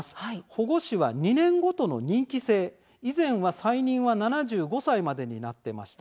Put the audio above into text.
保護司は２年ごとの任期制で以前は再任が７５歳までになっていました。